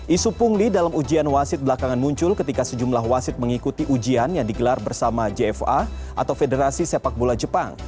isu pungli dalam ujian wasit belakangan muncul ketika sejumlah wasit mengikuti ujian yang digelar bersama jfa atau federasi sepak bola jepang